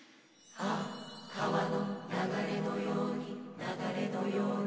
「ああ川の流れのように流れのように」